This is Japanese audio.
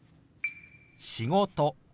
「仕事」。